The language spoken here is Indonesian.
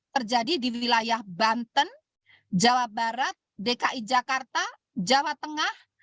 terjadi di wilayah banten jawa barat dki jakarta jawa tengah